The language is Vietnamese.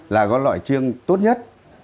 là có loại chiêng tốt nhất